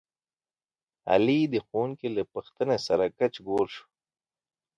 علي د ښوونکي له پوښتنې سره ګچ ګول شو.